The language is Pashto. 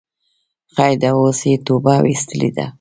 خیر ده اوس یی توبه ویستلی ده